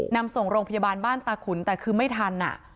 นำส่งโรงพยาบาลบ้านตาขุนแต่คือไม่ทัน